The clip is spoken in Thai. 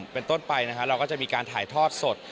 เป็นต้นไปนะครับเราก็จะมีการถ่ายทอดสด